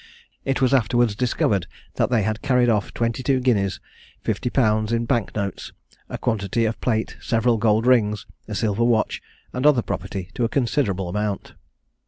It was afterwards discovered that they had carried off twenty two guineas, fifty pounds in bank notes, a quantity of plate, several gold rings, a silver watch, and other property to a considerable amount.